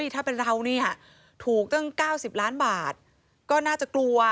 ถ้าเป็นเรานี่ถูกตั้ง๙๐ล้านบาทก็น่าจะกลัว